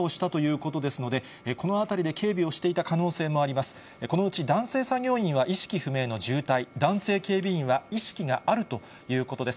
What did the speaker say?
このうち男性作業員は意識不明の重体、男性警備員は意識があるということです。